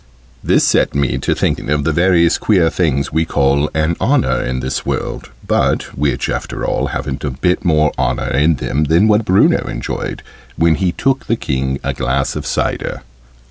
This set me thinking of the various queer things we call "an honour" in this world, but which, after all, haven't a bit more honour in them than what Bruno enjoyed, when he took the King a glass of cider.